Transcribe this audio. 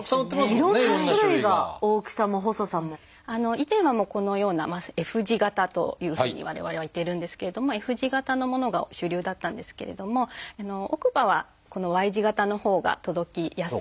以前はこのような「Ｆ字型」というふうに我々は言っているんですけれどもＦ字型のものが主流だったんですけれども奥歯はこの「Ｙ字型」のほうが届きやすいので。